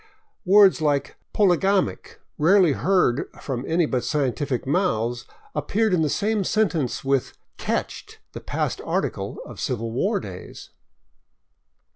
W^ords like " poligamic," rarely heard from any but scientific mouths, appeared in the same sentence with " ketched," the past participle of Civil War days.